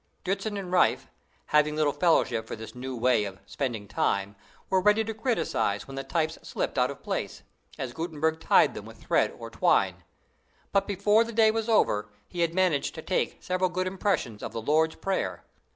Dritzhn and Riffe, having little fellowship for this new way of "spending time," were ready to criticise when the types slipped out of place, as Gutenberg tied them with thread or twine. But before the day was over, he had managed to take several good impressions of the "Lord's Prayer."